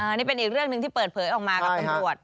อันนี้เป็นอีกเรื่องหนึ่งที่เปิดเผยออกมากับตำรวจ